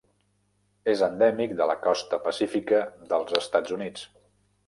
És endèmic de la costa pacífica dels Estats Units.